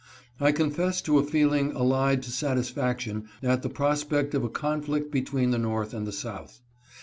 I confess to a feeling allied to satisfaction at the prospect of a conflict between the North and the South.